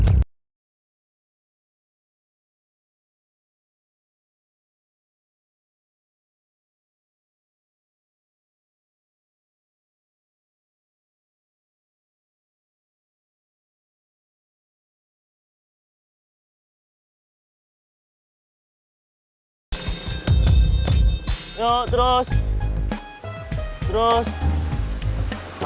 gimana kabar terminal